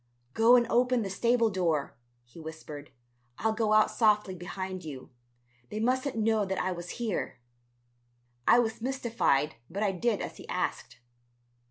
"Go and open the stable door," he whispered, "I'll go out softly behind you. They mustn't know that I was here." I was mystified but I did as he asked.